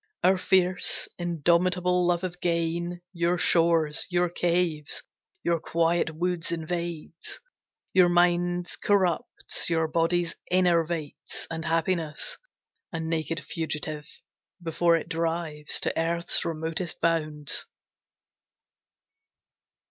Our fierce, indomitable love of gain Your shores, your caves, your quiet woods invades; Your minds corrupts, your bodies enervates; And happiness, a naked fugitive, Before it drives, to earth's remotest bounds.